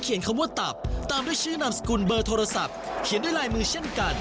กล่องรับชิ้นส่วนฟังที่ร่วมรายการ